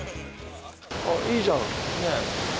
あっ、いいじゃん。